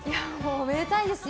おめでたいですよ。